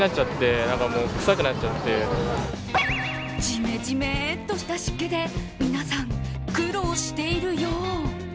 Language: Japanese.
ジメジメっとした湿気で皆さん、苦労しているよう。